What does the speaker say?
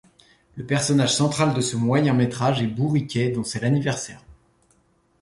Le personnage central de ce moyen métrage est Bourriquet dont c'est l'anniversaire.